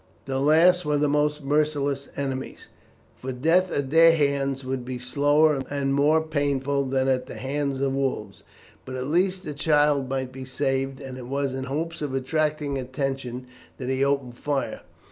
The last were the most merciless enemies, for death at their hands would be slower and more painful than at the hands of the wolves, but at least the child might be saved, and it was in hopes of attracting attention that he opened fire.